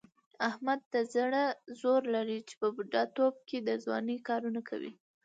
احمد د زړه زور لري، چې په بوډا توب کې د ځوانۍ کارونه کوي.